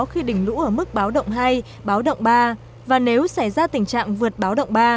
khi đỉnh lũ ở mức báo động hai báo động ba và nếu xảy ra tình trạng vượt báo động ba